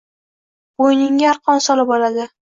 Bo‘yningga arqon solib oladi.